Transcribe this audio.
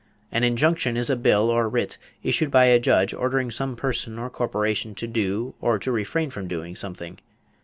An injunction is a bill or writ issued by a judge ordering some person or corporation to do or to refrain from doing something.